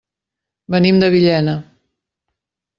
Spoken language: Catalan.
Venim de Villena.